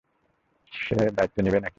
সে দায়িত্ব নিবে না কী?